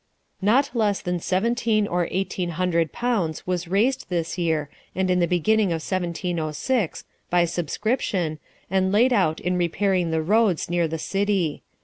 Not less than seventeen or eighteen hundred pounds was raised this year and in the beginning of 1706, by subscription, and laid out in repairing the roads near the city.